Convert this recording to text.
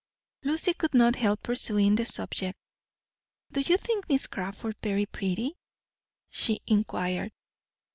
Lucy could not help pursuing the subject. "Do you think Miss Crawford very pretty?" she inquired.